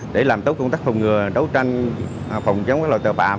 để làm tốt công tác phòng ngừa đấu tranh phòng chống các loại tờ bạc